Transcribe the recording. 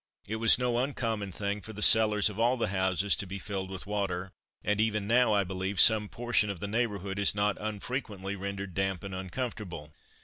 It was no uncommon thing for the cellars of all the houses to be filled with water, and even now, I believe, some portion of the neighbourhood is not unfrequently rendered damp and uncomfortable.